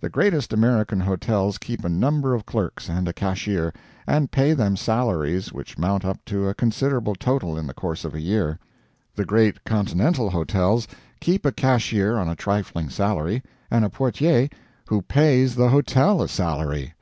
The greatest American hotels keep a number of clerks and a cashier, and pay them salaries which mount up to a considerable total in the course of a year. The great continental hotels keep a cashier on a trifling salary, and a portier WHO PAYS THE HOTEL A SALARY.